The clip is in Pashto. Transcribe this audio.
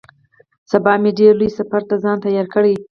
سبا مې ډېر لوی سفر ته ځان تيار کړ.